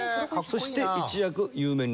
そして一躍有名になった。